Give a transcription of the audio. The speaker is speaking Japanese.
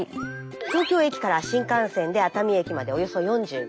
東京駅から新幹線で熱海駅までおよそ４５分。